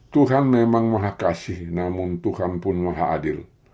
tuhan memang maha kasih namun tuhan pun maha adil